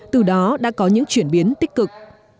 từ đó đã có những chuyển biến tích cực